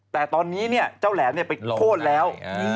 แต่ตอนนี้เนี่ยเจ้าแหลมไปโคตรแล้ว